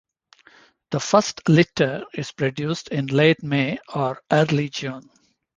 The first litter is produced in late May or early June.